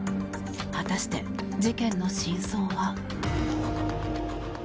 果たして事件の真相は。